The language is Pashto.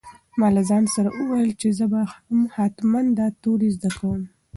ما له ځان سره وویل چې زه به هم حتماً دا توري زده کوم.